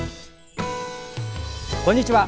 こんにちは。